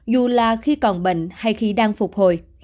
dù là khi còn bệnh hay khi đang phục hồi